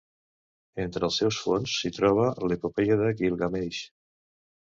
Entre els seus fons s'hi troba l'Epopeia de Guilgameix.